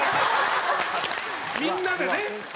みんなでね。